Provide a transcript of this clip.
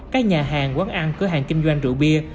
các nhà hàng quán ăn cửa hàng kinh doanh rượu bia